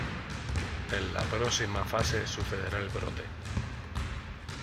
En la próxima fase sucederá el brote.